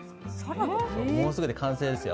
もうすぐで完成ですよ。